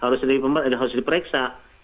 harus di pemerintah harus di pereksa